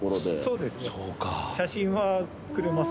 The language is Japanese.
そうですね。